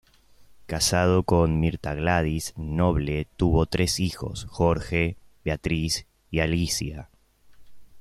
Casado con Mirta Gladys Noble, tuvo tres hijos: Jorge, Beatriz y Alicia.